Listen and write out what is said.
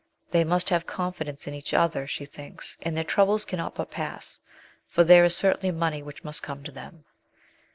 They must have confidence in each other, she thinks, and their troubles cannot but pass, for there is certainly money which must come to them